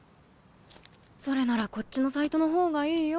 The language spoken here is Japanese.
それならこっちのサイトの方がいいよ。